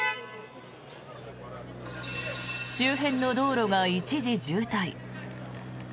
周辺の道路が一時渋滞。